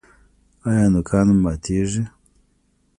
ایا نوکان مو ماتیږي؟